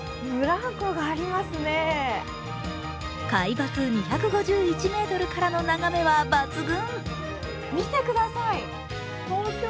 海抜２５１ｍからの眺めは抜群。